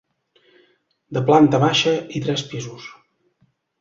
De planta baixa i tres pisos.